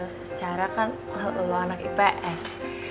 secara kan allah anak ips